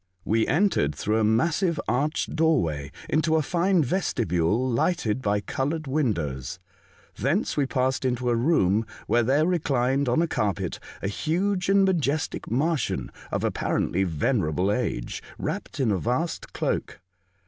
We entered through a massive arched door way into a fine vestibule lighted by coloured windows. Thence we passed into a room where there reclined on a carpet a huge and majestic Martian of apparently venerable age, wrapt in a^vast cloak.